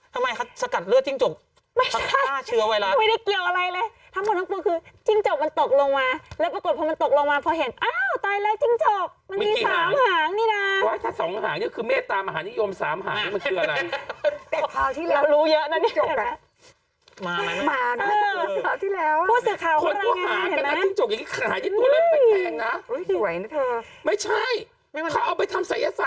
ทำไมคะสกัดเลือดจิ้งจกไม่ใช่อ้าวเชื้อไวรัสไม่ได้เกี่ยวอะไรเลย